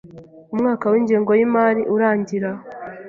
umwaka w’ingengo y’imari urangira.